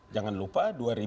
jangan lupa dua ribu empat